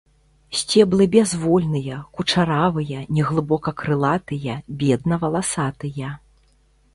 Сцеблы бязвольныя, кучаравыя, неглыбока крылатыя, бедна валасатыя.